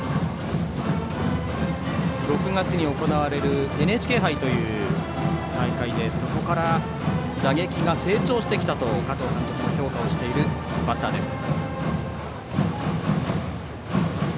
６月に行われるＮＨＫ杯という大会でそこから打撃が成長してきたと加藤監督も評価しているバッターです。